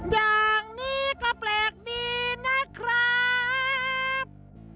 อย่างนี้ก็แปลกดีนะครับ